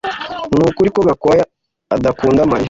Nukuri ko Gakwaya adakunda Mariya